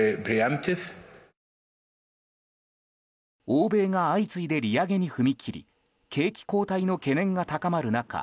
欧米が相次いで利上げに踏み切り景気後退の懸念が高まる中